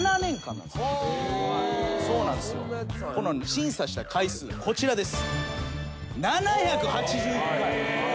審査した回数こちらです。